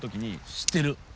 知ってる。